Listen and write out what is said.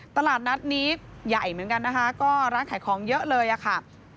ตลาดนัดนี้ใหญ่เหมือนกันนะคะก็ร้านขายของเยอะเลยอะค่ะ